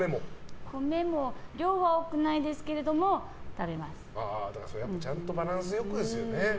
米も量は多くないですけどちゃんとバランス良くですよね。